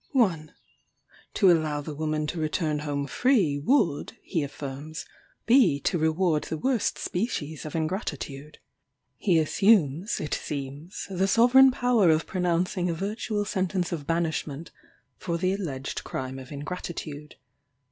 1. To allow the woman to return home free, would, he affirms "be to reward the worst species of ingratitude." He assumes, it seems, the sovereign power of pronouncing a virtual sentence of banishment, for the alleged crime of ingratitude.